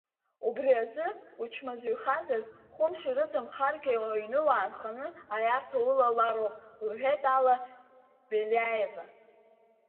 Убри азы, учмазаҩхазар, хәымш ирыдымхаргьы аҩны уаанханы аиарҭа улалароуп, — лҳәеит Алла Белиаева.